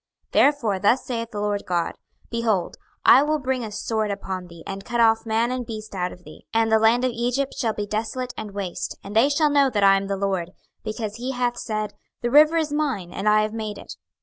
26:029:008 Therefore thus saith the Lord GOD; Behold, I will bring a sword upon thee, and cut off man and beast out of thee. 26:029:009 And the land of Egypt shall be desolate and waste; and they shall know that I am the LORD: because he hath said, The river is mine, and I have made it.